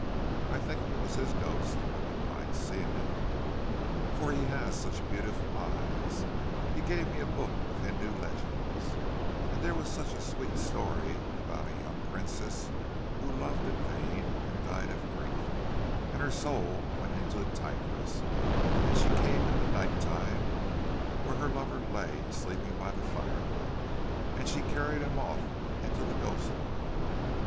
I think if it was his ghost, I wouldn't mind seeing it—for he has such beautiful eyes. He gave me a book of Hindu legends—and there was such a sweet story about a young princess who loved in vain, and died of grief; and her soul went into a tigress; and she came in the night time where her lover lay sleeping by the firelight, and she carried him off into the ghost world.